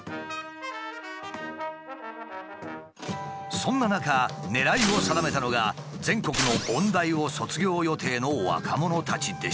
そんな中狙いを定めたのが全国の音大を卒業予定の若者たちでした。